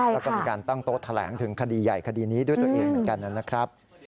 แล้วก็มีการตั้งโต๊ะแถลงถึงคดีใหญ่คดีนี้ด้วยตัวเองเหมือนกันนะครับ